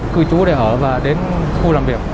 cư trú để ở và đến khu làm việc